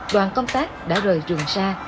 đoàn công tác đã rời trường sa